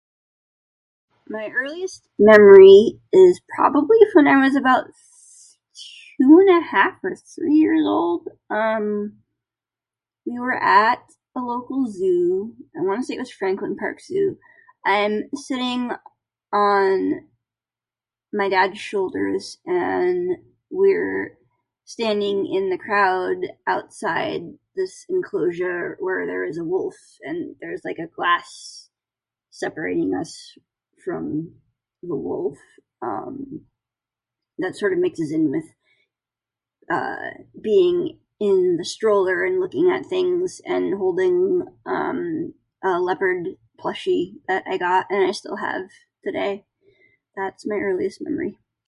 My earliest memory is probably from when I was about two and a half or three years old. Um, we were at a local zoo, I wanna say it was Franklin Park Zoo, and sitting on my dads shoulders and we're standing in the crowd outside this enclosure where there's a wolf and there's like a glass separating us from the wolf. Um, that sorta mixes in with, uh, being in the stroller and looking at things and holding, um, a leopard plushie that I got, and I still have today. That's my earliest memory.